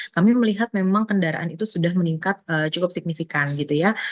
kami melihat memang kendaraan itu sudah meningkat cukup signifikan gitu ya